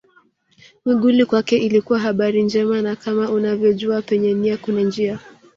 Mwigulu kwake ilikuwa habari njema na kama unavyojua penye nia kuna njia